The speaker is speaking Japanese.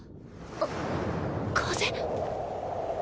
あっ風？